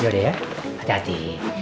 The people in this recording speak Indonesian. yaudah ya hati hati